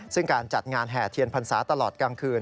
ซึ่งการจัดงานแห่เทียนพรรษาตลอดกลางคืน